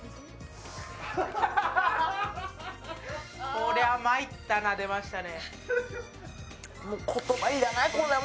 こりゃ、まいったな出ましたね。